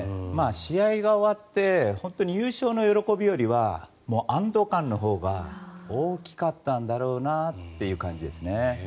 試合が終わって優勝の喜びよりは安ど感のほうが大きかったんだろうなっていう感じですね。